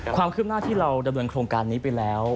ความคืบหน้าที่เราดำเนินโครงการนี้ไปแล้ว